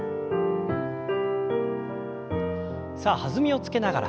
さあ弾みをつけながら。